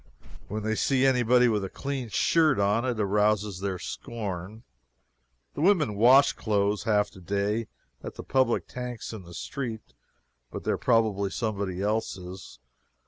When they see any body with a clean shirt on, it arouses their scorn. The women wash clothes, half the day, at the public tanks in the streets, but they are probably somebody else's.